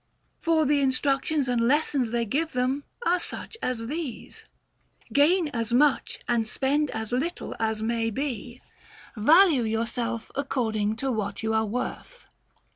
For the instructions and lessons they give them are such as these : Gain as much and spend as little as may be ; value yourself according to what you are worth.